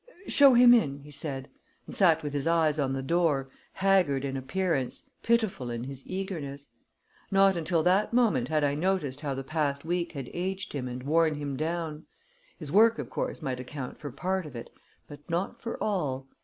"Show him in," he said, and sat with his eyes on the door, haggard in appearance, pitiful in his eagerness. Not until that moment had I noticed how the past week had aged him and worn him down his work, of course, might account for part of it, but not for all.